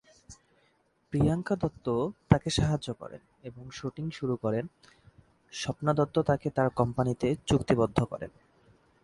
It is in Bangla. প্রিয়াঙ্কা দত্ত তাকে সাহায্য করেন, এবং শুটিং শুরু করেন, স্বপ্না দত্ত তাকে তার কোম্পানিতে চুক্তিবদ্ধ করেন।